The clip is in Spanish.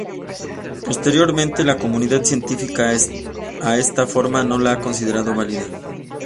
Posteriormente, la comunidad científica a esta forma no la ha considerado válida.